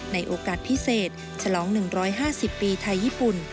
ในโอกาสพิเศษฉลอง๑๕๐ปีไทยญี่ปุ่น